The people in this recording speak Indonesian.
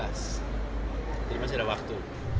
jadi masih ada waktu